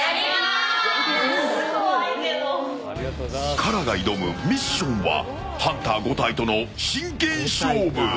ＫＡＲＡが挑むミッションはハンター５体との真剣勝負！